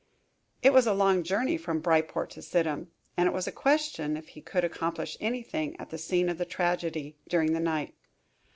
It was a long journey from Bryport to Sidham, and it was a question if he could accomplish anything at the scene of the tragedy during the night.